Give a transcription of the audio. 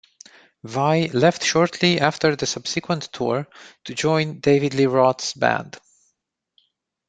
Vai left shortly after the subsequent tour to join David Lee Roth's band.